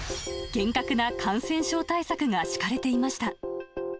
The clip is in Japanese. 厳格な感染症対策が敷かれていました。